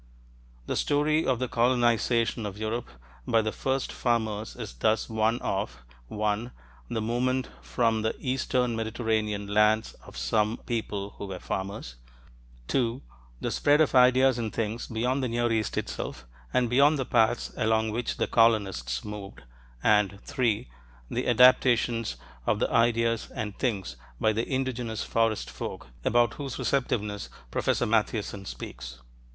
The story of the "colonization" of Europe by the first farmers is thus one of (1) the movement from the eastern Mediterranean lands of some people who were farmers; (2) the spread of ideas and things beyond the Near East itself and beyond the paths along which the "colonists" moved; and (3) the adaptations of the ideas and things by the indigenous "Forest folk", about whose "receptiveness" Professor Mathiassen speaks (p. 97).